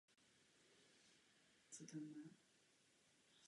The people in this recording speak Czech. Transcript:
Jeff stále neučinil žádný pokrok ohledně filmových pásek.